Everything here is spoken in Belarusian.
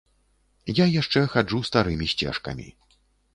Я яшчэ хаджу старымі сцежкамі.